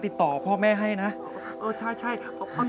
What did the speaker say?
พี่ป๋องครับผมเคยไปที่บ้านผีคลั่งมาแล้ว